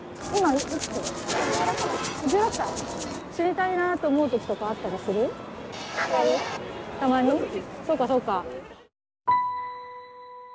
そうか、そうか。